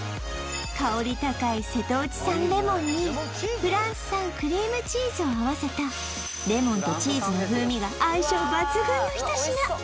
香り高い瀬戸内産レモンにフランス産クリームチーズを合わせたレモンとチーズの風味が相性抜群の一品